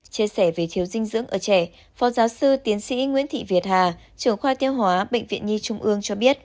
chia sẻ về chiều dinh dưỡng ở trẻ phó giáo sư tiến sĩ nguyễn thị việt hà trưởng khoa tiêu hóa bệnh viện nhi trung ương cho biết